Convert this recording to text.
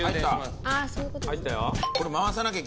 はい。